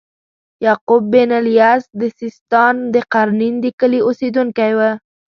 یعقوب بن اللیث د سیستان د قرنین د کلي اوسیدونکی و.